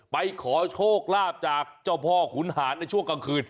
ไปขอโชคลาภจากเจ้าพ่อขุนหารในช่วงกลางคืน